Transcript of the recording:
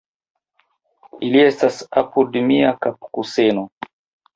Ili estas apud mia kapkuseno.